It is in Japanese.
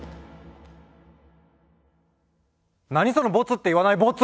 何そのボツって言わないボツ！